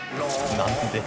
なんで？